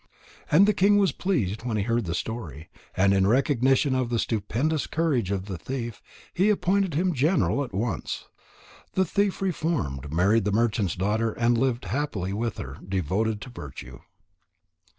And the king was pleased when he learned the story, and in recognition of the stupendous courage of the thief, he appointed him general at once. The thief reformed, married the merchant's daughter, and lived happily with her, devoted to virtue.